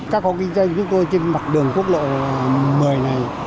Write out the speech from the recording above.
các hộ kinh doanh của chúng tôi trên mặt đường quốc lộ một mươi này